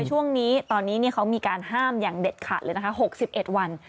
ช่วงนี้ตอนนี้เขามีการห้ามอย่างเด็ดขาดเลยนะคะ๖๑วัน